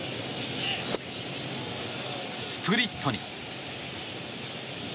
スプリットに。